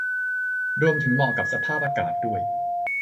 รวมถึงเหมาะกับสภาพอากาศด้วย